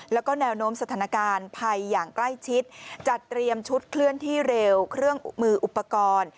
แล้วก็แนวโน้มสถานการณ์ภัยอย่างใกล้ชิดจัดเตรียมชุดเคลื่อนที่เร็วเครื่องมืออุปกรณ์